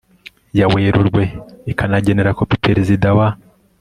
ya Werurwe ikagenera kopi Perezida wa